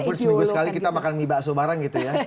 meskipun seminggu sekali kita makan mie bakso bareng gitu ya